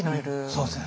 そうですよね。